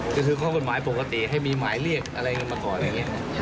ก็คือข้อกฎหมายปกติให้มีหมายเรียกอะไรกันมาก่อนอะไรอย่างนี้